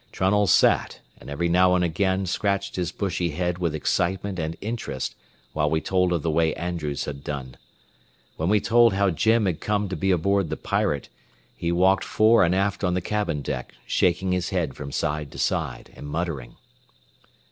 Trunnell sat, and every now and again scratched his bushy head with excitement and interest while we told of the way Andrews had done. When we told how Jim had come to be aboard the Pirate, he walked fore and aft on the cabin deck, shaking his head from side to side, and muttering.